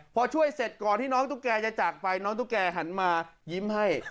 พอช่วยเสร็จก่อนที่น้องตุ๊กแกจะจากไปน้องตุ๊กแกหันมายิ้มให้